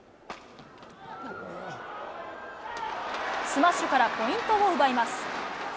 スマッシュからポイントを奪います。